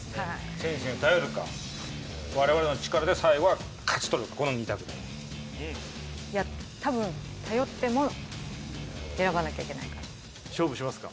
先生に頼るか我々の力で最後は勝ち取るかこの２択だいやたぶん頼っても選ばなきゃいけないから勝負しますか？